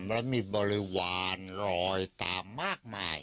และมีบริวารลอยตามมากมาย